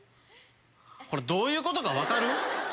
これどういうことか分かる？